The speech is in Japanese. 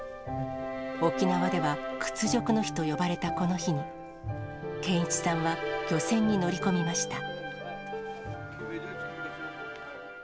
沖縄では、屈辱の日と呼ばれたこの日に、健一さんは、漁船に乗り込みました。